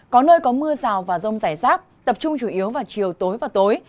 có nơi có mưa rào và rông rải rác tập trung chủ yếu vào chiều tối và tối